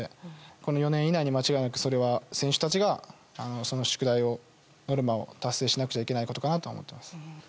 この４年以内に間違いなく選手たちがその宿題、ノルマを達成しなくちゃいけないことかなと思います。